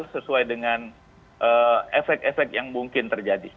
sesuai dengan efek efek yang mungkin terjadi